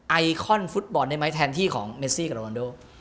ไอคอนฟุตบอลได้ไหมแทนที่ของเมซี่กับโรวันโด